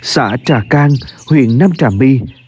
xã trà cang huyện nam trà my